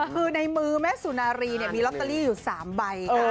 คือในมือแม่สุนารีมีลอตเตอรี่อยู่๓ใบ